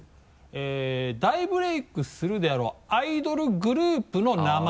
大ブレイクするであろうアイドルグループの名前。